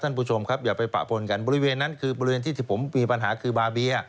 ท่านผู้ชมครับอย่าไปปะปนกันบริเวณนั้นคือบริเวณที่ที่ผมมีปัญหาคือบาเบีย